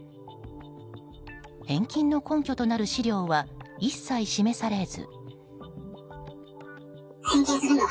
返金の根拠となる資料は一切示されず。